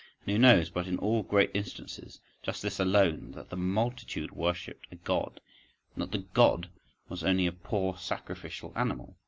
And who knows but in all great instances, just this alone happened: that the multitude worshipped a God, and that the "God" was only a poor sacrificial animal!